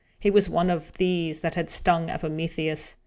It was one of these that had stung Epimetheus.